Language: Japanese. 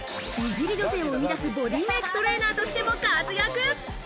美尻女性を生み出す、ボディメイクトレーナーとしても活躍。